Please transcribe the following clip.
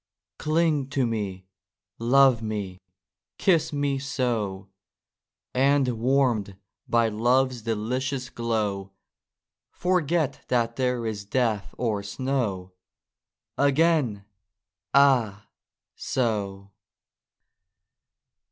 Cling to me ! Love me ! Kiss me, so ! And warm'd by Love's delicious glow Forget that there is Death or Snow ! Again ! ah ! so